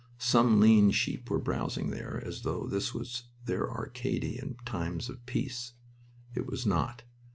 Some lean sheep were browsing there as though this were Arcady in days of peace. It was not.